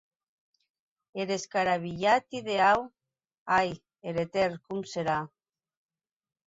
Er escarrabilhat ideau, ai!, er etèrn com serà?